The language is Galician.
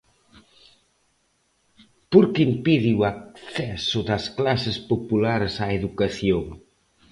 Porque impide o acceso das clases populares á educación.